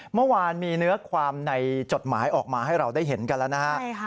เมื่อวานมีเนื้อความในจดหมายออกมาให้เราได้เห็นกันแล้วนะฮะ